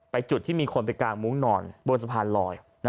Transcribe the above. จุดที่มีคนไปกางมุ้งนอนบนสะพานลอย